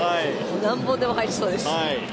何本でも入りそうです。